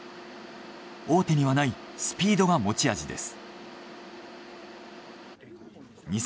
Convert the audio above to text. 大手にはないスピードが持ち味です。